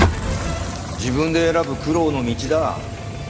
自分で選ぶ苦労の道だ。